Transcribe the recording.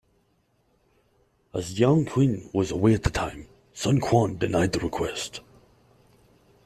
As Jiang Qin was away at that time, Sun Quan denied the request.